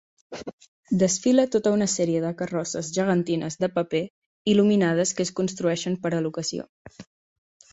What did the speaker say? Desfila tota una sèrie de carrosses gegantines de paper il·luminades que es construeixen per a l'ocasió.